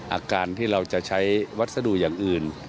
อาการที่เราจะใช้วัสดุอย่างอื่น